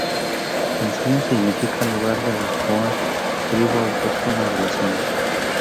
En sumo significa lugar de los boa, tribu autóctona de la zona.